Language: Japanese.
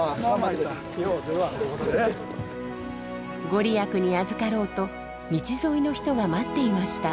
御利益にあずかろうと道沿いの人が待っていました。